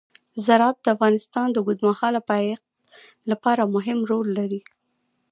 زراعت د افغانستان د اوږدمهاله پایښت لپاره مهم رول لري.